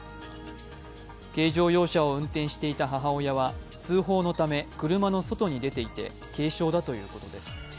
軽乗用車を運転していた母親は通報のため車の外に出ていて軽傷だということです。